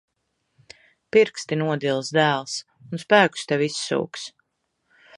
Pirksti nodils, dēls. Un spēkus tev izsūks.